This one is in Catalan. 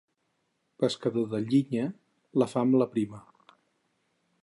Pescador de llinya, la fam l'aprima.